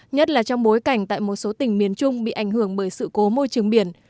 nhất là trong bối cảnh tại một số tỉnh miền trung bị ảnh hưởng bởi sự cố môi trường biển